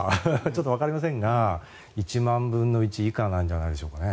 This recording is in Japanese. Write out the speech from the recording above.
ちょっとわかりませんが１万分の１以下なんじゃないですかね。